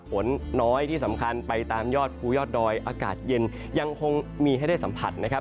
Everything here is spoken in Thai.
ฝนน้อยที่สำคัญไปตามยอดภูยอดดอยอากาศเย็นยังคงมีให้ได้สัมผัสนะครับ